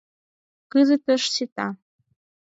— Кызытеш сита.